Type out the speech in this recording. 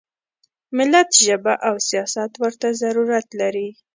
ملت ژبه او سیاست ورته ضرورت لري.